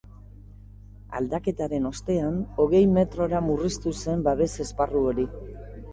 Aldaketaren ostean, hogei metrora murriztu zen babes esparru hori.